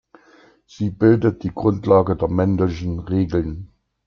Sie bildet die Grundlage der Mendelschen Regeln.